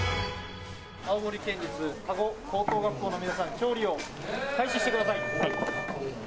青森県立田子高校の皆さん、調理を開始してください。